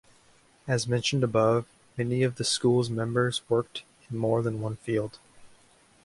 As mentioned above, many of the school's members worked in more than one field.